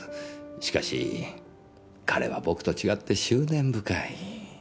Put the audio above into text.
しかし彼は僕と違って執念深い。